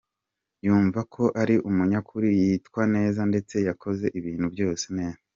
"Yumva ko ari umunyakuri, yitwara neza ndetse yakoze ibintu byose neza.